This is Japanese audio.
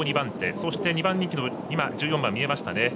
そして、２番人気の１４番見えましたね。